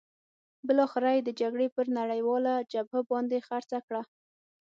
بالاخره یې د جګړې پر نړیواله جبهه باندې خرڅه کړه.